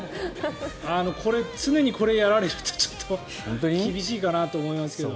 これ、常にこれをやられるとちょっと厳しいかなと思いますけど。